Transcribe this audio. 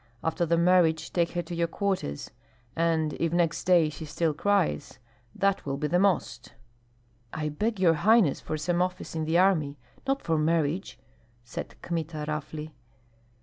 After the marriage take her to your quarters; and if next day she still cries, that will be the most." "I beg, your highness, for some office in the army, not for marriage," said Kmita, roughly.